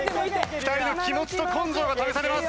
２人の気持ちと根性が試されます！